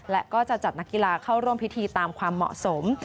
และก็จะจัดนักกีฬาเข้าร่วมพิธีตามความเหมาะสม